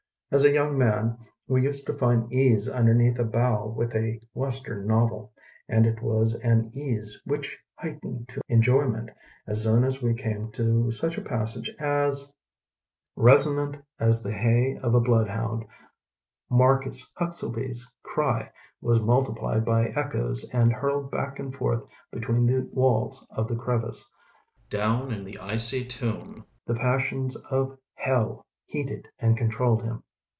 As a young man we used to find ease underneath a bough with a west em novel. And it was an ease which heightened to enjoyment as soon as we came to such a passage as : Resonant as the bay of a bloodhound, Marcus Huxelby's cry was multiplied by echoes and hurled back and forth between the waUs of the creTice. Down in the icy tomb the passions of heU heated and controlled him.